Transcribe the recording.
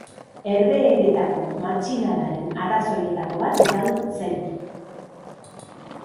Herbehereetako matxinadaren arrazoietako bat izan zen.